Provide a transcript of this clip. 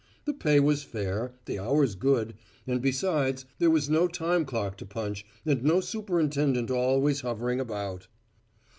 The pay was fair, the hours good, and besides, there was no time clock to punch and no superintendent always hovering about.